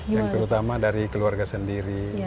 yang terutama dari keluarga sendiri